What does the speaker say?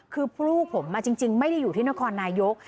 คือลูกผมจริงไม่ได้อยู่ที่นครนายก